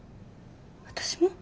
私も？